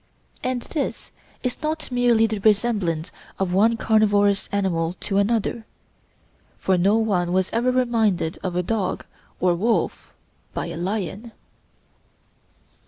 And this is not merely the resemblance of one carnivorous animal to another; for no one was ever reminded of a dog or wolf by a lion.